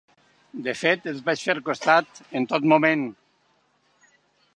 De fet, els vaig fer costat en tot moment.